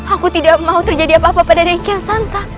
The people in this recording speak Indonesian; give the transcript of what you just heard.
aku tidak mau terjadi apa apa pada rai kiyasanta